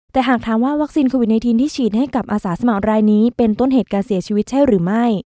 แต่หากถามว่าวัคซีนโควิด๑๙ที่ฉีดให้กับอาสาสมัครรายนี้เป็นต้นเหตุการเสียชีวิตใช่หรือไม่